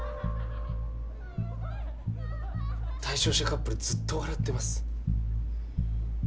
・対象者カップルずっと笑ってます。